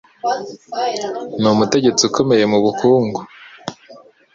Ni umutegetsi ukomeye mubukungu.